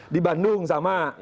di bandung sama